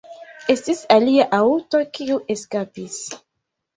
Estis alia aŭto, kiu eskapis.